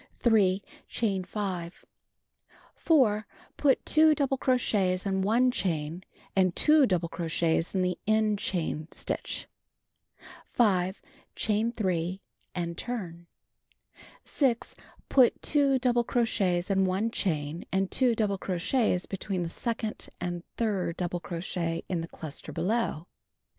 3. Chain 5. 4. Put 2 double crochets and 1 chain and 2 double crochets in the end chain stitch. 5. Chain 3 and turn. 6. Put 2 double crochets and 1 chain and 2 double crochets between the second and third double crochet in the cluster below.